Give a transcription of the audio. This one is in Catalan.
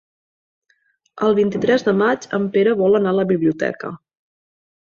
El vint-i-tres de maig en Pere vol anar a la biblioteca.